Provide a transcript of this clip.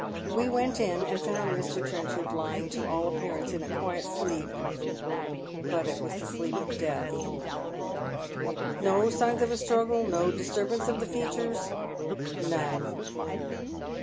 We went in, and found Mr. Trenchard lying to all appearance in a quiet sleep, but it was tlie sleep of death." " No signs of a struggle, no disturbance of the features ?"" None."